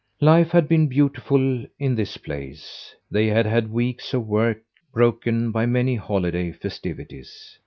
Life had been beautiful in this place. They had had weeks of work broken by many holiday festivities.